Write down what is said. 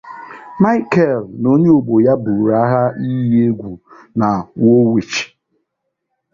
Michael na onye ogbo ya buru agha iyi egwu na Woolwich